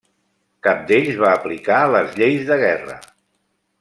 Cap d'ells va aplicar les lleis de guerra.